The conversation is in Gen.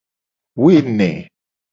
Woene.